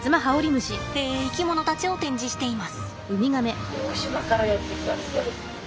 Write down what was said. え生き物たちを展示しています。